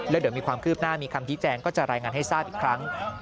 แล้วเดี๋ยวมีความคืบหน้ามีคำชี้แจงก็จะรายงานให้ทราบอีกครั้ง